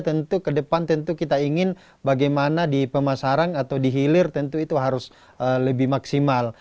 tentu ke depan tentu kita ingin bagaimana di pemasaran atau di hilir tentu itu harus lebih maksimal